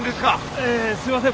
ええすいません